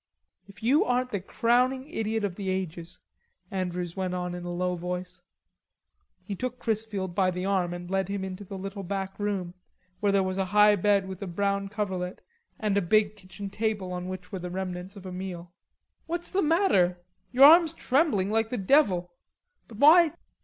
"If you aren't the crowning idiot of the ages," Andrews went on in a low voice. He took Chrisfield by the arm and led him into the little back room, where was a high bed with a brown coverlet and a big kitchen table on which were the remnants of a meal. "What's the matter? Your arm's trembling like the devil. But why....